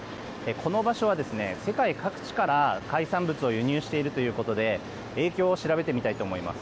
この場所は世界各地から海産物を輸入しているということで影響を調べてみたいと思います。